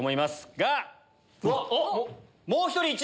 が！